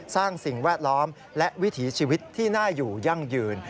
สิ่งแวดล้อมและวิถีชีวิตที่น่าอยู่ยั่งยืน